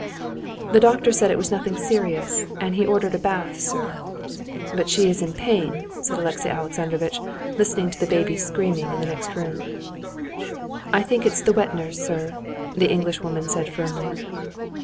"The doctor said it was nothing serious, and he ordered a bath, sir." "But she is still in pain," said Alexey Alexandrovitch, listening to the baby's screaming in the next room. "I think it's the wet nurse, sir," the Englishwoman said firmly.